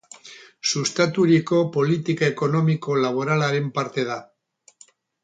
Sustaturiko politika ekonomiko-laboralaren parte da.